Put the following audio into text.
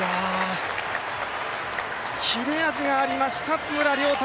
切れ味がありました、津村涼太。